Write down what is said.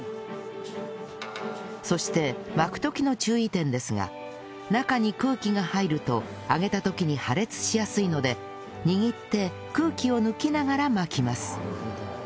そして巻く時の注意点ですが中に空気が入ると揚げた時に破裂しやすいので握って空気を抜きながら巻きます